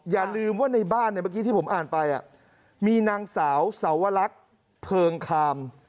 อย่าลืมว่าในบ้านเนี่ยเมื่อกี้ที่ผมอ่านไปมีนางสาวสาวลักษณ์เพลิงคาม